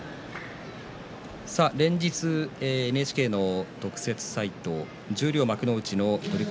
連日ＮＨＫの特設サイト十両幕内の取組